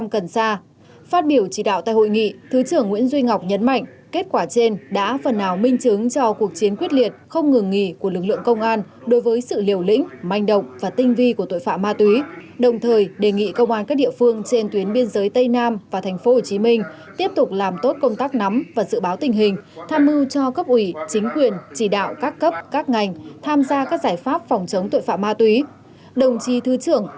cảnh sát điều tra tội phạm về ma túy và công an các địa phương trên tuyến biên giới tây nam và tp hcm đã bắt giữ một một trăm hai mươi vụ hai chín mươi bảy đối tượng